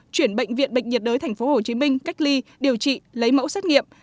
chuyển bệnh viện bệnh nhiệt đới tp hcm cách ly điều trị lấy mẫu xét nghiệm